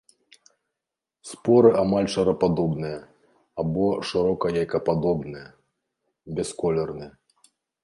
Споры амаль шарападобныя або шырока-яйкападобныя, бясколерныя.